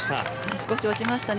少し落ちましたね。